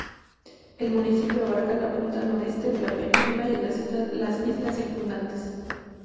El municipio abarca la punta noroeste de la península y las islas circundantes.